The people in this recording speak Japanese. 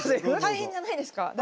大変じゃないですか？